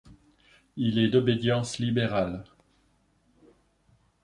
Il est d'obédience libérale.